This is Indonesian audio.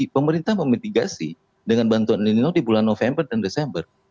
pemerintah memitigasi dengan bantuan el nino di bulan november dan desember